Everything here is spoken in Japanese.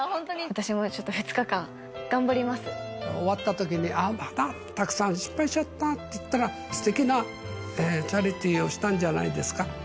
私もちょ終わったときに、ああ、またたくさん失敗しちゃったって言ったら、すてきなチャリティーをしたんじゃないですか。